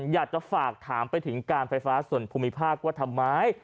อยากจะฝากถามไปถึงการไฟฟ้าส่วนภูมิภาคว่าทำไม